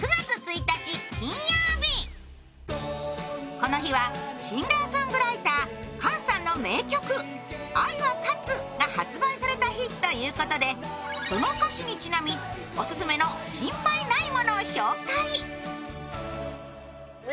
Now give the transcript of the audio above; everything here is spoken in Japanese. この日はシンガーソングライターＫＡＮさん名曲、「愛は勝つ」が発売された日ということでその歌詞にちなみ、オススメの心配ないものを紹介。